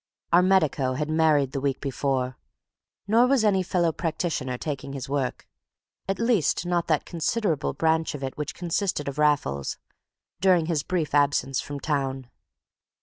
Our medico had married the week before, nor was any fellow practitioner taking his work—at least not that considerable branch of it which consisted of Raffles—during his brief absence from town.